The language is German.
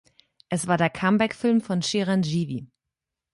Es war der Comeback-Film von Chiranjeevi.